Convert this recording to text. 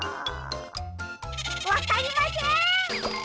わかりません！